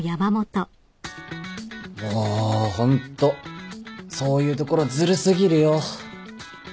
もうホントそういうところずる過ぎるよ。